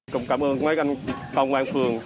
cảm ơn các anh phòng các anh phường